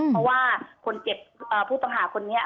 เพราะว่าผู้ต่างหาคนนี้